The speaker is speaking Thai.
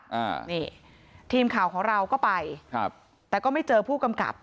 อ่านี่ทีมข่าวของเราก็ไปครับแต่ก็ไม่เจอผู้กำกับ